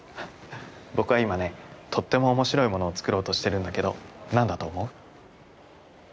僕は今ねとっても面白いものをつくろうとしてるんだけど何だと思う？